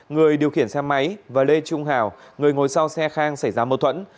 người điều khiển xe máy và lê trung hào người ngồi sau xe khang xảy ra mâu thuẫn